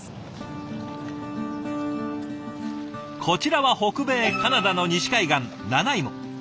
こちらは北米カナダの西海岸ナナイモ。